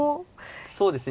そうですね